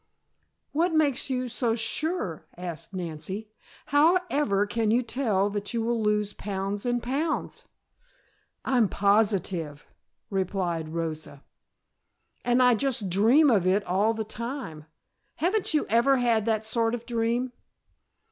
"What makes you so sure?" asked Nancy. "How ever can you tell that you will lose pounds and pounds?" "I'm positive," replied Rosa. "And I just dream of it all the time. Haven't you ever had that sort of dream?"